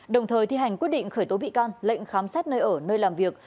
đồng thời thi hành quyết định khởi tố bị can lệnh khám xét nơi ở nơi làm việc